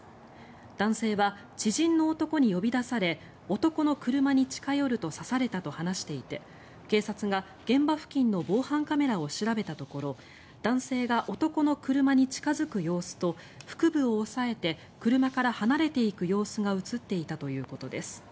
男性は知人の男に呼び出され男の車に近寄ると刺されたと話していて警察が現場付近の防犯カメラを調べたところ男性が男の車に近付く様子と腹部を押さえて車から離れていく様子が映っていたということです。